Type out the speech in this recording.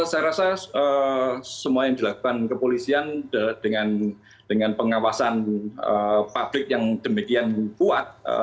saya rasa semua yang dilakukan kepolisian dengan pengawasan publik yang demikian kuat